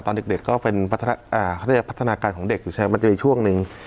ตอนเด็กก็เป็นเขาเรียกพัฒนาการของเด็กอยู่ใช่ไหมมันจะมีช่วงหนึ่ง